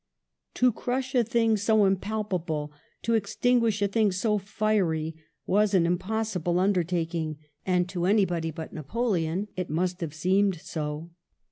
To crush a thing so impalpable, to extinguish a thing so fiery, was an impossible undertaking, and to anybody but Napoleon it must have seemed so.